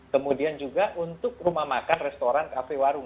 kemudian juga untuk rumah makan restoran kafe warung